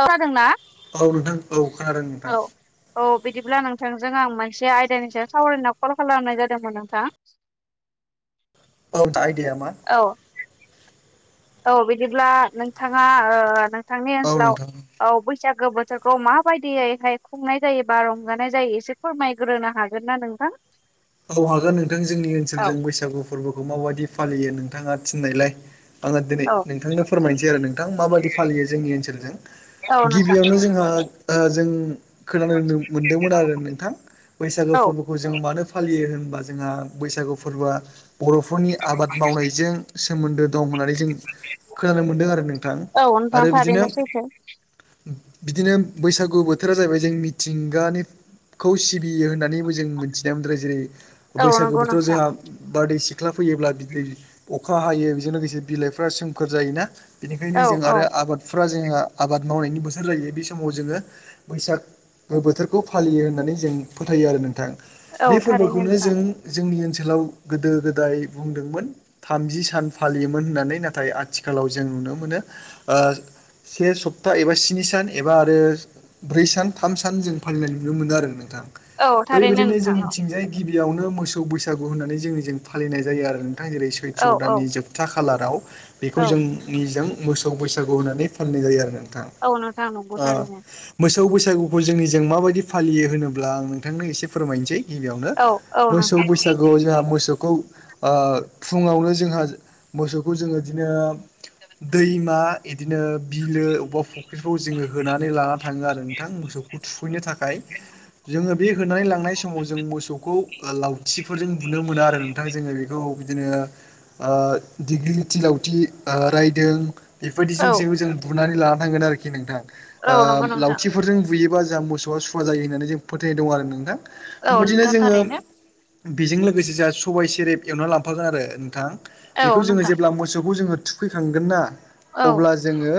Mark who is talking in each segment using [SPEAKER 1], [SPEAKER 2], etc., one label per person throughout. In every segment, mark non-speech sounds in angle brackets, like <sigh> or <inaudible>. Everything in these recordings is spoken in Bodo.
[SPEAKER 1] औ खोनादोंना।
[SPEAKER 2] औ नोंथां औ खोनादों
[SPEAKER 1] औ
[SPEAKER 2] नोंथां।
[SPEAKER 1] औ बिदिब्ला नोंथांजों आं मोनसे आयदानि सायाव सावरायनो होना कल खालामनाय जादोंमोन नोंथां। <inaudible>
[SPEAKER 2] औ आइदाया मा?
[SPEAKER 1] औ। औ बिदिब्ला नोंथाङा ओ नोंथांनि
[SPEAKER 2] औ
[SPEAKER 1] ओनसोलाव
[SPEAKER 2] नोंथां
[SPEAKER 1] औ बैसागो बोथोरखौ माबायदियैहाय खुंनाय जायो बा रंजानाय जायो एसे फोरमायग्रोनो हागोन ना नोंथां?
[SPEAKER 2] औ हागोन नोंथां। जोंनि
[SPEAKER 1] औ
[SPEAKER 2] ओनसोलजों बैसागु फोरबोखौ मा बायदि फालियो नोंथाङा थिननायलाय आङो दिनै
[SPEAKER 1] औ
[SPEAKER 2] नोंथांनो फोरमायनोसै आरो नोंथां माबादि फालियो जोंनि ओनसोलजों।
[SPEAKER 1] औ नोंथां
[SPEAKER 2] गिबियावनो जोंहा ओ जों खोनानोनो मोनदोंमोन आरो नोंथां बैसागो
[SPEAKER 1] औ
[SPEAKER 2] फोरबो खौ जोङो मानो फालियो होनबा जोंहा बैसागु फोरबोआ बर'फोरनि आबाद मावनायजों सोमोन्दो दं होननानै जों खोनानो मोनदों आरो नोंथां
[SPEAKER 1] औ नोंथां
[SPEAKER 2] आरो बिदिनो
[SPEAKER 1] थारैनो सैथो
[SPEAKER 2] बिदिनो बैसागु बोथोरा जाहैबाय जों मिथिंगानि खौ सिबियो होननानैबो जों मिथिनाय मोनबाय। जेरै-
[SPEAKER 1] औ
[SPEAKER 2] बैसागो
[SPEAKER 1] नंगौ
[SPEAKER 2] बोथोराव
[SPEAKER 1] नोंथां
[SPEAKER 2] जोंहा बारदैसि ख्ला फैयोब्ला दै अखा हायो। बेजों लोगोसे बिलाइफ्रा सोमखोर जायोना। बेनिखायनो
[SPEAKER 1] औ
[SPEAKER 2] जों
[SPEAKER 1] औ
[SPEAKER 2] आरो आफादफोरा जोंहा आबाद मावनायनि बोथोर जायो बे समाव जोङो बैसाग बो-बोथोरखौ फालियो होननानै जों फोथायो आरो नोंथां।
[SPEAKER 1] औ
[SPEAKER 2] बे
[SPEAKER 1] थारैनो
[SPEAKER 2] फोरबोखौनो
[SPEAKER 1] नोंथां
[SPEAKER 2] जों जोंनि ओनसोलाव गोदो गोदाय बुंदोंमोन। थामजि सान फालियोमोन होननानै नाथाय आथिखालाव जों नुनो मोनो ओ से सप्ता एबा स्नि सान एबा आरो ब्रै सान थाम सान जों फालिनाय नुनो मोनो आरो नोंथां।
[SPEAKER 1] औ
[SPEAKER 2] बै
[SPEAKER 1] थारैनो
[SPEAKER 2] बायदिनो
[SPEAKER 1] नोंथां औ
[SPEAKER 2] जोंनिथिंजाय गिबियावनो मोसौ बैसागु होननानै जोंनि जों फालिनाय जायो आरो। जेरै-
[SPEAKER 1] औ
[SPEAKER 2] सैथ्र'
[SPEAKER 1] औ
[SPEAKER 2] दाननि जोबथा खालाराव बेखौ
[SPEAKER 1] औ
[SPEAKER 2] जों नि जों मोसौ बैसागु होनानै फालिनाय जायो आरो नोंथां।
[SPEAKER 1] औ नोंथां नंगौ
[SPEAKER 2] ओ
[SPEAKER 1] थारैनो
[SPEAKER 2] मोसौ बैसागुखौ जोंनिजों मा बायदि फालियो होनोब्ला आं नोंथांनो एसे फोरमायनोसै। गिबियावनो
[SPEAKER 1] औ औ
[SPEAKER 2] मोसौ
[SPEAKER 1] नोंथां
[SPEAKER 2] बैसागुआव जोंहा मोसौखौ ओ फुङावनो जोंहा मोसौखौ जोङो इदिनो दैमा इदिनो बिलो अबबा फुख्रिफ्राव जोङो होनानै लाना थाङो आरो नोंथां मोसौखौ थुखैनो थाखाय जोङो बे होनानै लांनाय समाव जों मोसौखौ लावथिफोरजों बुनो मोना आरो नोंथां जोङो बेखौ बिदिनो ओ डिग्रि लथि लावथि ओ रायदों
[SPEAKER 1] औ
[SPEAKER 2] बेफोरबायदिजों जबो जों बुनानै लानांगोन आरोखि नोंथां
[SPEAKER 1] औ नंगौ नोंथां
[SPEAKER 2] लावथि <unintelligible> फोरजों बुयोबा जोंहा मोसौआ सुवा जायो होननानै जों फोथायनाय दं आरो नोंथां
[SPEAKER 1] औ
[SPEAKER 2] बेबायदिनो
[SPEAKER 1] नोंथां
[SPEAKER 2] जोङो
[SPEAKER 1] थारैनो
[SPEAKER 2] बेजों लोगोसे जाहा सबाइ सेरेब एवना लांफागोन आरो नोंथां
[SPEAKER 1] औ
[SPEAKER 2] बेखौ जोङो
[SPEAKER 1] नोंथां
[SPEAKER 2] जेब्ला मोसौखौ जोङो थुखैखांगोन ना
[SPEAKER 1] औ
[SPEAKER 2] अब्ला जोङो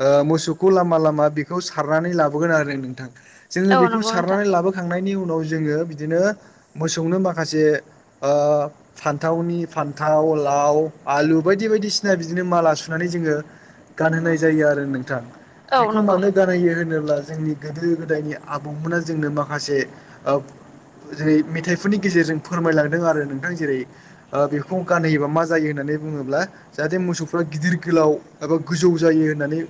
[SPEAKER 2] ओ मोसौखौ लामा लामा बेखौ सारनानै लाबोगोन आरो नोंथां जोङो
[SPEAKER 1] औ
[SPEAKER 2] बेखौ
[SPEAKER 1] नंगौ नोंथां
[SPEAKER 2] सारनानै लाबोखांनायनि उनाव जोङो बिदिनो मोसौनो माखासे ओ फान्थावनि फान्थाव लाव आलु बायदि बायदिसिना बिदिनो माला सुनानै जोङो गानहोनाय जायो आरो नोंथां
[SPEAKER 1] औ
[SPEAKER 2] बेखौ
[SPEAKER 1] नंगौ
[SPEAKER 2] मानो गानहैयो होनोब्ला जोंनि गोदो गोदायनि आबौमोना जोंनो माखासे जेरै मेथाइफोरनि गेजेरजों फोरमायलांदों आरो नोंथां जेरै ओ बेखौ गानहोयोबा मा जायो होननानै बुङोब्ला जाहाथे मोसौफ्रा गिदिर गोलाव एबा गोजौ जायो होननानै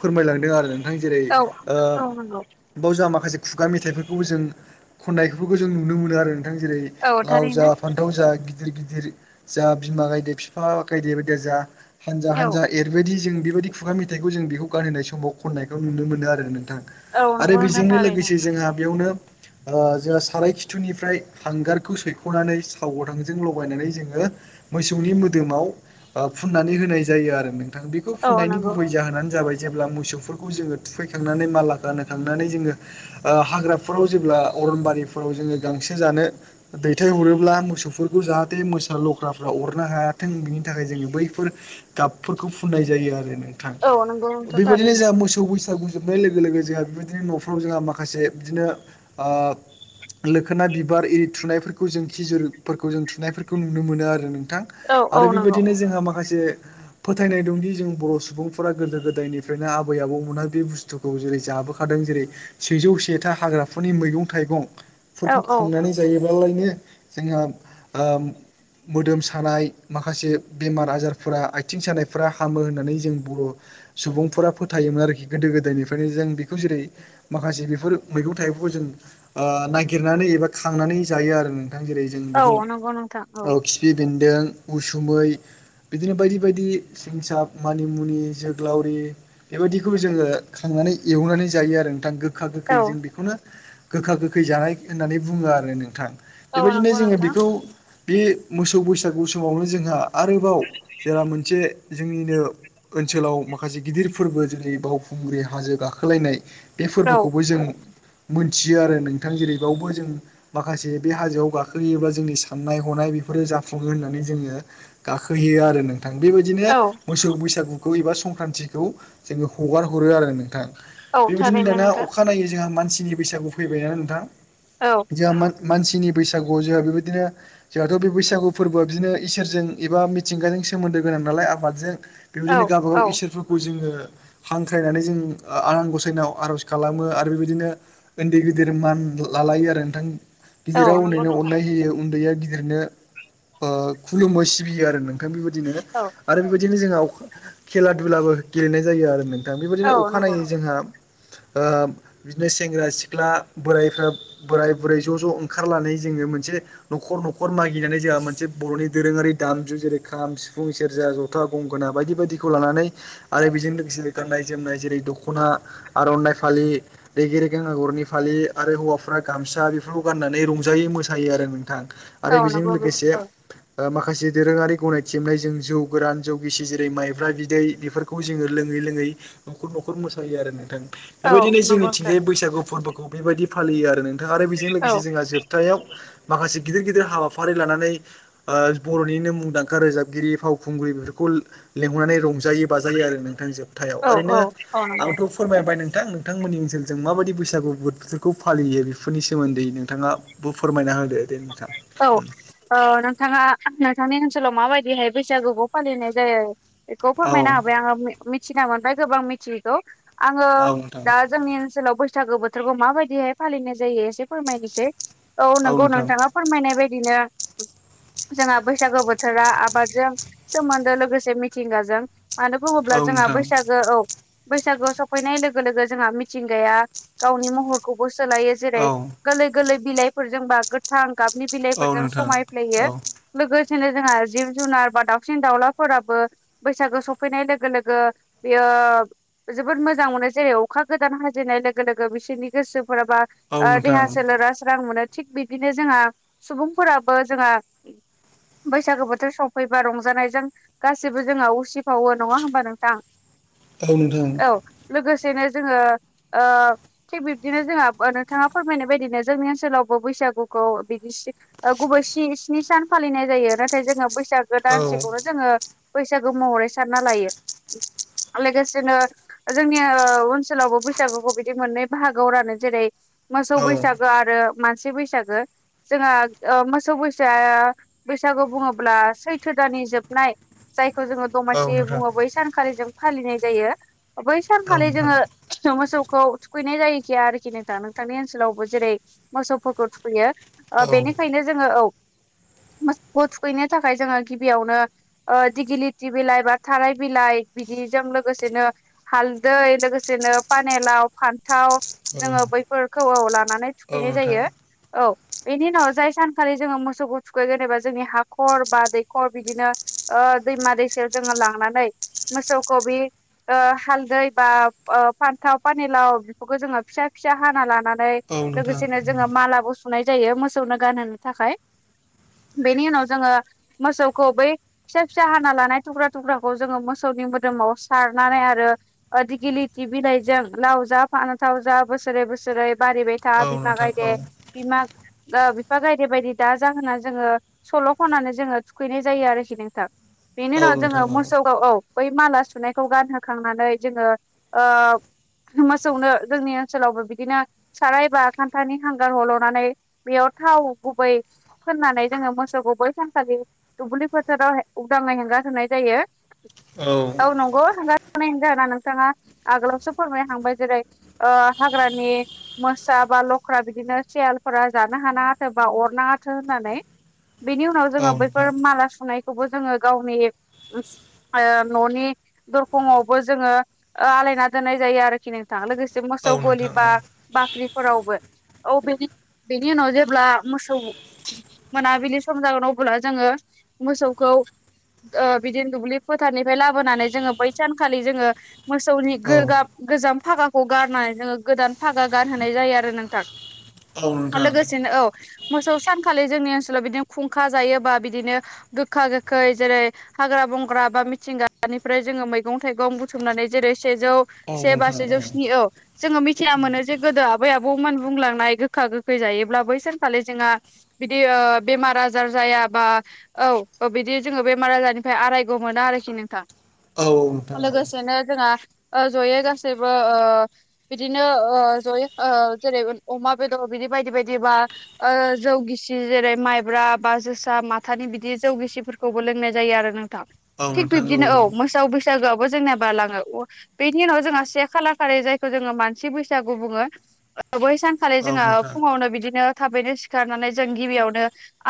[SPEAKER 2] फोरमायलांदों आरो आं जेरै
[SPEAKER 1] औ
[SPEAKER 2] ओ
[SPEAKER 1] औ नंगौ
[SPEAKER 2] बाव जाोंहा माखासे खुगा मेथाइफोरखौबो जों खन्नायफोरखौ जों नुनो मोनो आरो नोंथां जेरै
[SPEAKER 1] औ
[SPEAKER 2] लाव जा
[SPEAKER 1] थारैनो
[SPEAKER 2] फान्थाव जा गिदिर गिदिर जा बिमा गायदे बिफा गायदे बायदिया जा हानजा
[SPEAKER 1] औ
[SPEAKER 2] हानजा ओरैबायदि जों बेबायदि खुगा मेथाइखौ जों बेखौ गानहोनाय समाव खननायखौ नुनो मोनो आरो नोंथां
[SPEAKER 1] औ
[SPEAKER 2] आरो
[SPEAKER 1] नंगौ नोंथां
[SPEAKER 2] बेजोंनो
[SPEAKER 1] थारैनो
[SPEAKER 2] लोगोसे जोंहा बेयावनो जोंहा खाराय खिथुनिफ्राय हांगारखौ सैख'नानै सावगथांजों लगायनानै जोङो मोसौनि मोदोमाव फुननानै होनाय जायो आरो नों बेखौ
[SPEAKER 1] औ
[SPEAKER 2] फुननायनि
[SPEAKER 1] नंगौ
[SPEAKER 2] गुबै जाहोनानो जाबाय जेब्ला मोसौफोरखौ जोङो थुफैखांनानै माला गानखांनानै जोङो हाग्राफोराव जेब्ला अरनबारिफोराव जोङो गांसो जानो दैथायहरोब्ला मोसौफोरखौ जाहाथे मोसा लख्राफ्रा अरनो हायाथों बिनि थाखाय जोङो बैफोर गाबफोरखौ फुननाय जायो आरो नोंथां
[SPEAKER 1] औ नंगौ नोंथां
[SPEAKER 2] बेबायाददिनो
[SPEAKER 1] थारैनो
[SPEAKER 2] जोंहा मोसौ बैसागु जोबनाय लोगो लोगो जोंहा बेबायदिनो न'फ्राव जोंहा माखासे बिदिनो लोखोना बिबार आररि थुनायफोरखौ जों खि जिरफोरखौ जों थुनायफोरखौ नुनो मोनो आरो नोंथां
[SPEAKER 1] औ औ
[SPEAKER 2] आरो
[SPEAKER 1] नंगौ
[SPEAKER 2] बेबायदिनो जोंहा माखासे फोथायनाय दंदि जों बर' सुबुंफोरा गोदो गोदायनिफ्रायनो आबै आबौमोनहहा बे बुस्थुखौ जेरै जाबोखादों जेरै सेजौ सेथा हाग्राफोरनि मैगं थाइगं
[SPEAKER 1] औ
[SPEAKER 2] फोरखौ
[SPEAKER 1] औ
[SPEAKER 2] खांनानै जायोबालायनो जोंहा मोदोम सानाय माखासे बेमार आजारफोरा आथिं सानायफ हामो होननानै जों बर' सुबुंफोरा फोथायोमोन आरोखि गोदो गोदायनिफ्रायनो जों बेखौ जेरै माखासे बेफोर मैगं थाइगंखौ जों नागिरनानै एबा खांनानै जायो आरो नोंथां जेरै जों बेखौ
[SPEAKER 1] औ नंगौ नोंथां औ
[SPEAKER 2] फि बेन्दों उसुमै बिदिनो बायदि बायदि सिंसा मानिमुनि जोग्लावरि बेबायदिखौबो जोङो खांनानै एवनानै जायो आरो नोंथां गोखा
[SPEAKER 1] औ
[SPEAKER 2] गोखै जों बेखौनो गोखा गोखै जानाय होननानै बुङो आरो नोंथां
[SPEAKER 1] औ
[SPEAKER 2] बेबायदिनो
[SPEAKER 1] नंगौ
[SPEAKER 2] जोङो
[SPEAKER 1] नोंथां
[SPEAKER 2] बेखौ बे मोसौ <unintelligible> बैसागु समावनो जोंहा आरोबाव जेला मोनसे जोंनिनो ओनसोलाव माखासे गिदिर फोरबो जेरै बावखुंग्रि हाजो गाखोलायनाय बे
[SPEAKER 1] औ
[SPEAKER 2] फोरबोखौबो जों मोनथियो आरो नोंथां जेरैबावबो जों माखासे बे हाजोआव गाखोहैयोबा जोंनि साननाय हनाय बेफोरो जाफुङो होननानै जोङो गाखोहैयो आरो नों नोंथां बेबायदिनो
[SPEAKER 1] औ
[SPEAKER 2] मोसौ बैसागुखौ एबा संक्रान्तिखौ जोङो हगार हरो आरो नोंथां
[SPEAKER 1] औ
[SPEAKER 2] बेबायदिनो
[SPEAKER 1] थारैनो
[SPEAKER 2] दाना
[SPEAKER 1] नोंथां
[SPEAKER 2] अखाानायनायै जोंहा मानसिनि बैसागु फैबाय ना नोंथां
[SPEAKER 1] औ
[SPEAKER 2] जोंहा। मानसिनि बैसागुआव जोंहा बेबायदिनो जोंहाथ' बे बैसागु फोरबोआ बिदिनो इसोरजों एबा मिथिंगाजों सोमोन्दो गोनां नालाय आबादजों
[SPEAKER 1] औ
[SPEAKER 2] बेबायदिनो
[SPEAKER 1] औ
[SPEAKER 2] गावबाागाव इसोरफोरखौ जोङो हांख्रायनानै जों आ-आनान गसायनाव आर'ज खालामो आरो बेबायदिनो उन्दै गिदिर मान लालायो आरो नोंथां
[SPEAKER 1] औ
[SPEAKER 2] गिदिरा
[SPEAKER 1] नंगौ
[SPEAKER 2] उन्दैनो
[SPEAKER 1] नोंथां
[SPEAKER 2] अननाय होयो उन्दैया गिदिरनो ओ खुलुमो सिबियो आरो नोंथां बेबायदिनो
[SPEAKER 1] औ
[SPEAKER 2] आरो बेबायदिनो जोंहा अखा खेला दुलाबो गेलेनाय जायो आरो नोंथां बेबायदिनो
[SPEAKER 1] औ नंगौ
[SPEAKER 2] अखानायै जोंहा ओ बिदिनो सेंग्रा सिख्ला बोराइफ्रा बोराय बुरै ज' ज' ओंखारनानै जोङो मोनसे न'खर न'खर मागिनानै जोंहा मोनसे बर'नि दोरोङारि दामजु जेरै खाम सिफुं सेरजा ज था गंगोना बायदि बायदिखौ लानानै आरो बेजों लोगोसे गाननाय जोमनाय जेरै दख'ना आर'नाइ फालि रेगे रेगां आगरनि फालि आरो हौवाफ्रा गामसा बेफोरखौ गाननानै रंजायो मोसायो आरो नोंथां। आरो
[SPEAKER 1] औ
[SPEAKER 2] बेजों
[SPEAKER 1] नंगौ बिदि
[SPEAKER 2] लोगोसे
[SPEAKER 1] औ
[SPEAKER 2] माखासे दोरोङारि गनायथिमनाय जों जौ गोरान जौ गिसि जेरै माइब्रा बिदै बेफोर खौ जोङो लोङै लोङै न'खर न'खर मोसायो आरो नोंथां
[SPEAKER 1] औ
[SPEAKER 2] बेबायदिनो
[SPEAKER 1] नंगौ नोंथां
[SPEAKER 2] जोंनिथिंजाय बैसागु फोरबोखौ बेबायदि फालियो आरो नोंथाङा आरो बेजों
[SPEAKER 1] औ
[SPEAKER 2] लोगोसे जोंहा जोब थायाव माखासे गिदिर गिदिर हाबाफारि लानानै ओ बर'निनो मुंदांखा रोजाबगिरि फावखुंग्रि बेफोरखौ लेंहरनानै रंजायो बाजायो आरो नोंथां जोबथायाव
[SPEAKER 1] औ औ
[SPEAKER 2] ओैनो
[SPEAKER 1] औ नंगौ
[SPEAKER 2] आंथ' फोरमायबाय नोंथां नोंथांमोननि ओनसोलजों माबायदि बैसागु फोरखौ फालियो बेफोरनि सोमोन्दै नोंथाङाबो फोरमायना होदो दे नोंथां।
[SPEAKER 1] औ औ नोंथाङा नोंथांनि ओनसोलाव माबायदिहाय बैसागुखौ‌ फालिनाय जायो बेखौ
[SPEAKER 2] औ
[SPEAKER 1] फोरमायना होबाय आङो मिथिना मोनबाय गोबां मिथियैखौ आङो
[SPEAKER 2] औ नोंथां
[SPEAKER 1] दा जोंनि ओनसोलाव बैसागो बोथोरखौ माबायदिहाय फालिनाय जायो एसे फोरमायनोसै औ नोंगौ नों फोरमायनाय बायदिनो जोंहा बैसागो बोथोरा आबादजों सोमोन्दो लोगोसे मिथिंगाजों मानो बुङोब्ला
[SPEAKER 2] औ
[SPEAKER 1] जोंहा
[SPEAKER 2] नोंथां
[SPEAKER 1] बैसागो औ बैसागोआ सफैनाय लोगो लोगो जोंहा मिथिंगाया गावनि महरखौबो सोलायो जेरै
[SPEAKER 2] औ
[SPEAKER 1] गोरलै गोरलै बिलाइफोरजों बा गोथां गाबनि
[SPEAKER 2] औ
[SPEAKER 1] बिलाइफोरजों
[SPEAKER 2] नोंथां
[SPEAKER 1] समायफ्लेयो
[SPEAKER 2] औ
[SPEAKER 1] लोगोसेनो जोंहा जिब जुनार बा दाउसिन दाउलाफोराबो बैसागो सफैनाय लोगो लोगो बियो जोबोद मोजां मोनो जेरै अखा गोदान हाजेननाय लोगो लोगो बिसोरनि गोसोफोराबो
[SPEAKER 2] औ
[SPEAKER 1] ओ
[SPEAKER 2] नोंथां
[SPEAKER 1] देहा सोलेरा स्रां मोनो थिग बिदिनो जोंहा सुबुंफोराबो जोंहा बैसागु बोथोर सफैबा रंजानायजों गासिबो जोंहा उसिफावो नङा होमबा नोंथां?
[SPEAKER 2] औे नोंथां।
[SPEAKER 1] औ लोगोसेनो जोङो ओ थिग बिब्दिनो जोंहा नोंथाङा फोरमायनाय बायदिनो जोंनि ओनसोलावबो बैसागु गुखौ बिदि सि ओ गुबै सि स्नि सान फालिनाय जायो नाथाय जोङो बैसागु
[SPEAKER 2] औ
[SPEAKER 1] दानसेखौनो जोङो बैसागो महरै सानना लायो लोगोसेनो जोंनि ओ ओनसोलावबो बैसागुखौ बिदि मोननै बाहागोआव रानो जेरै मोसौ
[SPEAKER 2] औ
[SPEAKER 1] बैसागो आरो मानसि बैसागो जोंहा ओ मोसौ बैसा बैसागु बुङोब्ला सैथो दानि जोबनाय जायखौ जोङो
[SPEAKER 2] औ
[SPEAKER 1] दमासि
[SPEAKER 2] नोंथां
[SPEAKER 1] बुङो बै सानखालि जों फालिनाय जायो बै
[SPEAKER 2] औ
[SPEAKER 1] सानखालि
[SPEAKER 2] नोंथां
[SPEAKER 1] जोङो मोसौखौ थुखैनाय जायोखि आरोखि नोंथां नोंथांनि ओनसोलावबो जेरै मोसौफोरखौ थुखैयो ओ
[SPEAKER 2] औ
[SPEAKER 1] बेनिखायनो जोङो औ। मोसौखौ थुखैनो थाखाय जोङो गिबियावनो ओ दिगिलिथि बिलाइ बा थानाय बिलाइ बिदिजों लोगोसेनो हालदै लोगोसेनो पाने लाव फान्थाव। जोङो बैफोरखौ औ लानानै
[SPEAKER 2] औ
[SPEAKER 1] थुखैनाय
[SPEAKER 2] नोंथां
[SPEAKER 1] जायो। औ। बेनि उनाव जाय सानखालि जोङो मोसौखौ थुखैगोन एबा जोंनि हाखर बा दैखर बिदिनो ओ दैमा दैसायाव जोङो लांनानै मोसौखौ बि ओ हालदै बा ओ फान्थाव पानि लाव बेफोरखौ जोङो फिसा फिसा हाना लानानै नै
[SPEAKER 2] औ नोंथां
[SPEAKER 1] लोगोसेनो जोहा मालाबो सुनाय जायो मोसौनो गानहोनो थाखाय। बेनि उनाव जोङो मोसौखौ बै फिसा फिसा हाना लानाय थुख्रा थुख्राखौ जोङो मोसौनि मोदोमाव सारनानै आरो ओ दिगिलिथि बिलाइजों लाव जा फानथाव जा बोसोरै बोसोरै बारिबाय था
[SPEAKER 2] औ
[SPEAKER 1] बिमा
[SPEAKER 2] नोंथां औ
[SPEAKER 1] गायदे बिमा ओ बिफा गायदे बायदि दाजा होनना जोङो सल' खननानै जोङो थुखैनाय जायो आरोखि नोंथां। बेनि
[SPEAKER 2] औ
[SPEAKER 1] उनाव जोङो
[SPEAKER 2] नोंथां
[SPEAKER 1] मोसौखौ औ औ। बै माला सुनायखौ गानहोखांनानै जोङो ओ मोसौनो जोंनि ओनसोलावबो बिदिनो साराय एबा खान्थानि हां गार हल'नानै बेयाव थाव गुबै फोननानै जोङो मोसौखौ बै सानखालि दुब्लि फोथाराव हे उदाङै हेंगार होनाय जायो। औ नंगौ हांगार‌ <inaudible> जाहोना नोंथाङा आगोलावसो फोरमायखांबाय। जेरै ओ हाग्रानि मोसा बा लख्रा बि दिनो सियालफोरा जानो हानाङाथो बा अरनाङाथो होननानै। बेनि उनाव जोङो बैफोर
[SPEAKER 2] नोंथां
[SPEAKER 1] माला सुनायखौबो जोङो गावनि उम ओ न'नि दरखंआवबो जोङो ओ आलायना दोननाय जायो आरोखि नों थां। लोगोसे
[SPEAKER 2] औ
[SPEAKER 1] मोसौ गलि
[SPEAKER 2] नोंथां
[SPEAKER 1] बा
[SPEAKER 2] औ
[SPEAKER 1] बाख्रिफोरावबो। औ बेेनि बेनि उनाव जेब्ला मोसौ मोनाबिलि सम जागोन अब्ला जोङो मोसौखौ ओ बिदिनो दुब्लि फोथारनिफ्राय लाबोनानै जोङो बैसानखालि जोङो मोसौनि गो
[SPEAKER 2] औ
[SPEAKER 1] गाब गोजाम फागाखौ गारनाय जोङो गोदान फागा गानहोनाय जायो आरो नोंथां।
[SPEAKER 2] औ नोंथां
[SPEAKER 1] लोगोसेनो औ मोसौ सानखालि जोंनि ओनसोलाव बिदिनो खुंखा जायोबा बिदिनो गोखा गोखै जेरै हाग्रा बंग्रा बा मिथिंगानिफ्राय जोङो मैगं थाइगं बुथुमनानै जेरै सेजौ से बा
[SPEAKER 2] औ नोंथां
[SPEAKER 1] सेजौ स्नि औ जोङो मिथिना मोनो जे गोदो आबै आबौमोन बुंलांनाय गोखा गोखै जायोब्ला बै सानखालि जोंहा बिदि ओ बेमार आजार जायाबा औ ओ बिदि जोङो बेमार आजारनिफ्राय आरायग' मोना आरोखि नोंथां।
[SPEAKER 2] औ
[SPEAKER 1] लोगोसेनो जोंहा ओ ज'यै गासैबो ओ बिदिनो ओ ज'यै ओ जेरै अमा बेदर बिदि बायदि बायदिबा ओ जौगिसि जेरै माइब्रा बा जोसा माथानि बिदि जौगिसिफोर खौबो लोंनाय जायो आरो नोंथां। थिग बिब्दिनो औ मोसौ बैसागोआबो जोंनिया बालाङो बेनि उनाव जोंहा से खालार खालि जायखौ जोङो मानसि बैसागु बुङो बै सान खालि जोङो
[SPEAKER 2] नोंथां
[SPEAKER 1] फुङावनो बिदिनो थाबैनो सिखारनानै जों गिबियावनो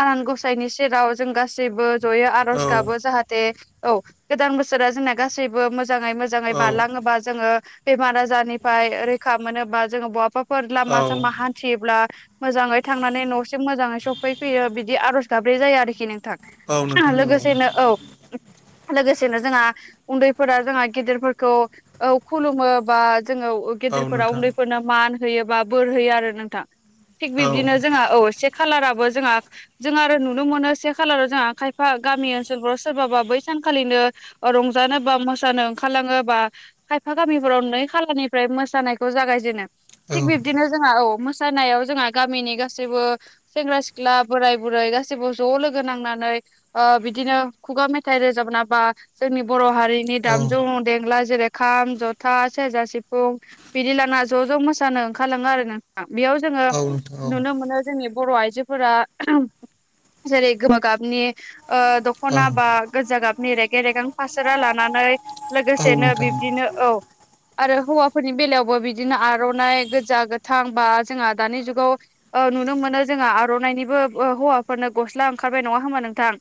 [SPEAKER 1] आनान गसायनि सेराव जों गासैबो ज'यै आर'ज
[SPEAKER 2] औ औ
[SPEAKER 1] गाबो
[SPEAKER 2] औ
[SPEAKER 1] जाहाथे औ गोदान बोसोरा जोंना गासैबो मोजाङै मोजां जाङै बारलाङोबा जोङो बेमार आजारनिफाय रैखा मोनोबा जों बहाफोर लामा सामा हान्थियोब्ला मोजाङै थांनानै न'सिम मोजाङै सफैफैयो बिदि आर'ज गाब्रै जायो आरोखि नोंथां। <unintelligible>
[SPEAKER 2] नोंथां
[SPEAKER 1] लोगोसेनो औ लोगोसेनो जोंहा उन्दैफोरा जोंहा गेदेरफोरखौ औ खुलुमो बा जोङो
[SPEAKER 2] औ
[SPEAKER 1] गेदेरफोरा उन्दैफोरनो मान होयोबा बोर होयो आरो नोंथां। थिग बिब्दिनो
[SPEAKER 2] औ
[SPEAKER 1] जोंहा औ से खालाराबो जोंहा जों आरो नुनो मोनो से खालाराव जोंहा खायफा गामि ओनसोलफोराव सोरबाबा बै सानखालिनो रंजानो बा मोसानो ओंखारलाङो बा खायफा गामिफोराव नै खालारनिफ्राय मोसानायखौ जागायजेनो।
[SPEAKER 2] नोंथां औ
[SPEAKER 1] थिग बिब बिदिनो जोंहा औ मोसानायाव जोंहा गामिनि गासैबो सेंग्रा सिख्ला बोराय बुरै गासैबो ज' लोगो नांनानै ओ बिदिनो खुगा मेथाइ रोजाबना बा जोंनि बर' हारिनि
[SPEAKER 2] औ
[SPEAKER 1] दामजु देंगला जेरै खाम जथा सेरजा सिफुं बिदि लांना ज' ज' मोसानो ओंखारलाङो आरो नोंथाङा बेयाव जोंङो
[SPEAKER 2] औ नोंथां
[SPEAKER 1] नुनो मोनो जोंनि बर' आइजोफोरा जेरै गोमोगाबनि ओ द
[SPEAKER 2] औ
[SPEAKER 1] खना बा गोजा गाबनि रेगे रेगां फासोरा लानानै
[SPEAKER 2] औ
[SPEAKER 1] लोगोसेनो
[SPEAKER 2] नोंथां
[SPEAKER 1] बिब्दिनो औ आरो हौवाफोरनि बेलायावबो बिदिनो आर'नाइ गोजा गोथां बा जोंहा दानि जुगाव नुनो मोनो जोंहा आर'नाइनिबो हौवाफोरनो गस्ला ओंखारबाय नङा होमबा नोंथां।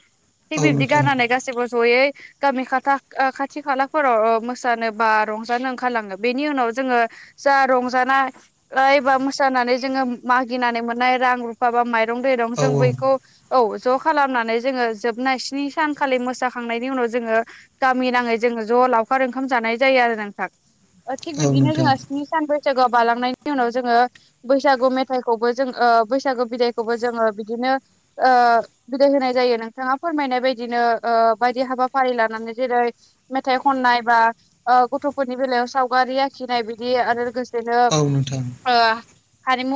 [SPEAKER 1] थिग
[SPEAKER 2] औ
[SPEAKER 1] बिबदि
[SPEAKER 2] नोंथां
[SPEAKER 1] गाननानै गासैबो ज'यै गामि खाथा खाथि खालाफोराव मोसानो बा रंजानो ओंखारलाङो बेनि उनाव जोंङो जा रंजानाय बा मोसानानै जोंङो मागिनानै मोननाय रां रुफा बा माइरं दैरं
[SPEAKER 2] औ
[SPEAKER 1] जों बैखौ औ ज' खालामनानै जोंङो जोबनाय स्नि सानखालि मोसाखांनायनि उनाव जोंङो गामि नाङै जोंङो ज' लावखार ओंखाम जानाय जायो आरो नोंथां। थिग
[SPEAKER 2] औ
[SPEAKER 1] बिदिनो
[SPEAKER 2] नोंथां
[SPEAKER 1] जोंहा स्नि सान बैसागोआव बालांनायनि उनाव जोंङो बैसागु मेथाइखौबो जों बैसागु बिदायखौबो जोंङो बिदिनो बिदाय होनाय जायो नोंथाङा फोरमायनाय बायदिनो बायदि हाबाफारि लानानै जेरै मेथाइ खननाय बा गथ'फोरनि बेलायाव सावगारि आखिनाय बिदि आरो लोगोसेनो
[SPEAKER 2] औ नोंथां
[SPEAKER 1] ओ हारिमु